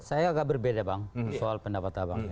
saya agak berbeda bang soal pendapatnya bang